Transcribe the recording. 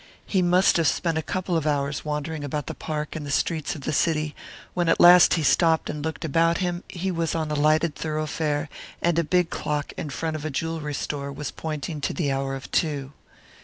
He must have spent a couple of hours wandering about the park and the streets of the city; when at last he stopped and looked about him, he was on a lighted thoroughfare, and a big clock in front of a jewellery store was pointing to the hour of two.